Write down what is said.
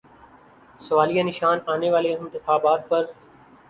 سوالیہ نشان آنے والے انتخابات پر۔